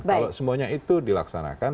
kalau semuanya itu dilaksanakan